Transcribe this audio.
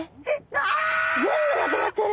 全部なくなってる。